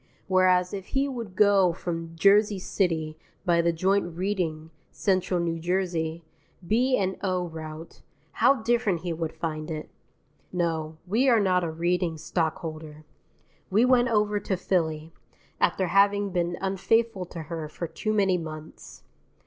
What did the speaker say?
Whereas if he would go from Jersey City by the joint Reading Central New Jersey B.&O. route, how different he would find it. No, we are not a Reading stockholder. We went over to Philly, after having been unfaithful to her for too many months.